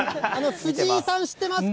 藤井さん、知ってますか？